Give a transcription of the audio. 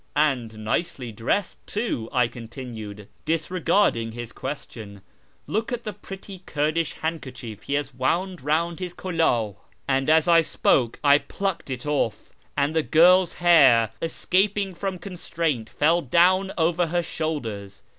' And nicely dressed too/ I continued, disregarding his question ;' look at the pretty Kurdish hand kerchief he has wound round his kuldh^ and as I spoke I plucked it off, and the girl's hair, escaping from constraint, fell down over her shoulders.